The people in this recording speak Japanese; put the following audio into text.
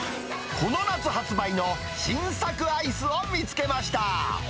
この夏発売の新作アイスを見つけました。